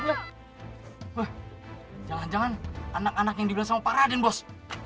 wah jangan jangan anak anak yang dibilang sama pak raden bos